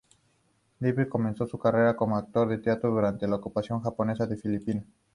Dolphy comenzó su carrera como actor de teatro durante la ocupación japonesa en Filipinas.